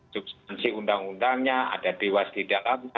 substansi undang undangnya ada dewas di dalamnya